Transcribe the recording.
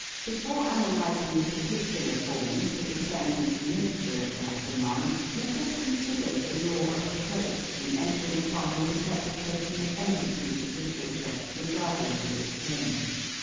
Before analyz ing the particular form to determine the nature of that demand, let us consider the law of approach in entering upon the in terpretation of any piece of literature, re gardless of its form.